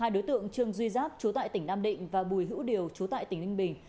hai đối tượng trương duy giáp chú tại tỉnh nam định và bùi hữu điều chú tại tỉnh ninh bình